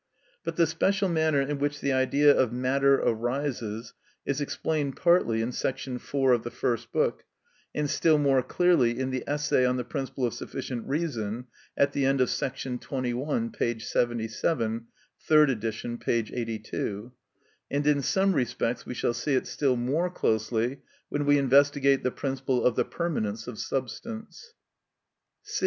But the special manner in which the idea of matter arises is explained partly in § 4 of the first book, and still more clearly in the essay on the principle of sufficient reason at the end of § 21, p. 77 (3d ed., p. 82), and in some respects we shall see it still more closely when we investigate the principle of the permanence of substance.